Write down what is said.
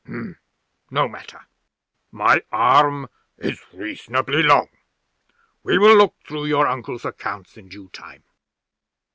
'"No matter. My arm is reasonably long. We will look through your uncle's accounts in due time.